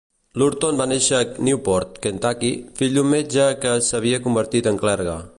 Lurton va néixer a Newport, Kentucky, fill d'un metge que s'havia convertit en clergue.